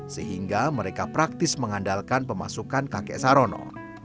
sehingga mereka praktis mengandalkan pemasukan kakek sarono